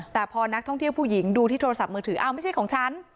แต่พอนักท่องเที่ยวผู้หญิงดูที่โทรศัพท์มือถืออ้าวไม่ใช่ของฉัน